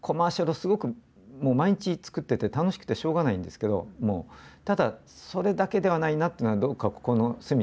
すごく毎日作ってて楽しくてしょうがないんですけどただそれだけではないなっていうのがどっか心の隅にあって。